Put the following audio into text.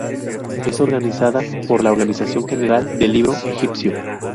Es organizada por la Organización General del Libro egipcio.